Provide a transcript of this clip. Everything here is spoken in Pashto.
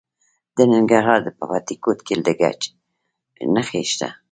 د ننګرهار په بټي کوټ کې د ګچ نښې شته.